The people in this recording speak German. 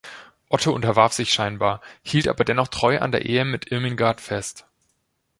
Otto unterwarf sich scheinbar, hielt aber dennoch treu an der Ehe mit Irmingard fest.